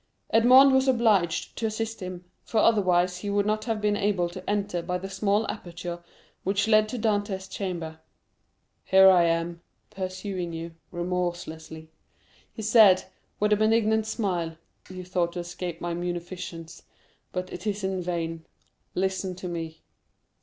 Edmond was obliged to assist him, for otherwise he would not have been able to enter by the small aperture which led to Dantès' chamber. "Here I am, pursuing you remorselessly," he said with a benignant smile. "You thought to escape my munificence, but it is in vain. Listen to me."